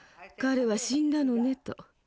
「彼は死んだのね」と。